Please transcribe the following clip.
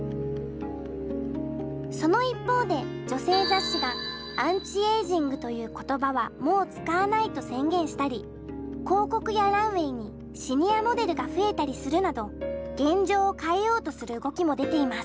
その一方で女性雑誌が「アンチ・エイジング」という言葉はもう使わないと宣言したり広告やランウェイにシニアモデルが増えたりするなど現状を変えようとする動きも出ています。